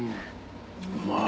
うまい。